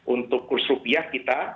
untuk kurs rupiah kita